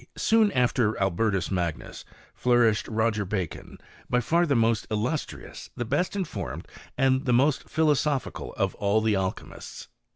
Soon after Albertus Magnus, flourished Roger 3acon, by far the most illustrious, the best informed, md the most philosophical of all the alchymists.